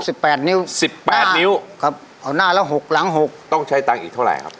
ซับสิบแปดนิ้วตาเอาหน้าแล้วหกหลังหกต้องใช้ตังค์อีกเท่าไหร่ครับ